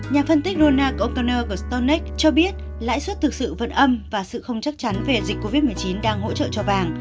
nhà phân tích ronald o connor của stonex cho biết lãi suất thực sự vẫn âm và sự không chắc chắn về dịch covid một mươi chín đang hỗ trợ cho vàng